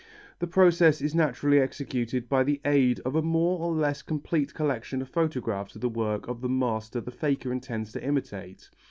The process is naturally executed by the aid of a more or less complete collection of photographs of the work of the master the faker intends to imitate.